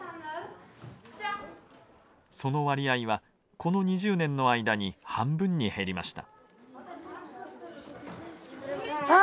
その割合はこの２０年の間に半分に減りました。